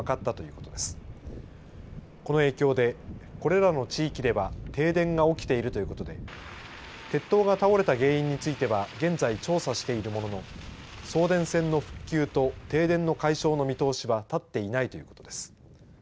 この影響で、これらの地域では停電が起きているということで鉄塔が倒れた原因については現在、調査しているものの送電線の復旧と停電の解消の見通しは立っていないということです。